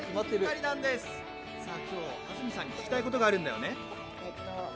今日は安住さんに聞きたいことがあるんだよね？